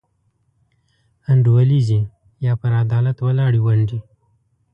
انډولیزي یا پر عدالت ولاړې ونډې.